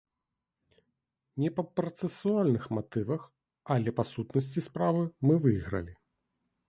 Не па працэсуальных матывах, але па сутнасці справы мы выйгралі.